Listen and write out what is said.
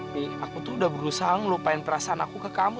tapi aku tuh udah berusaha ngelupain perasaan aku ke kamu